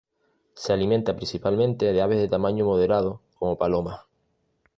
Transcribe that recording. Se alimenta principalmente de aves de tamaño moderado, como palomas.